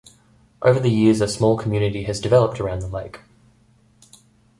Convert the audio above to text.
Over the years a small community has developed around the lake.